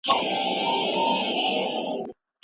هغه پوهان چي څیړنې کوي لایق دي.